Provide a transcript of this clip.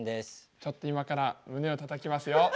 ちょっと今から胸をたたきますよ。